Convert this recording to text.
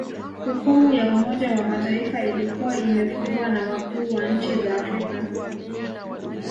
Hukumu ya Umoja wa Mataifa ilikuwa imefungwa na wakuu wa nchi za Afrika